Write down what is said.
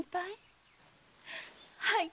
はい！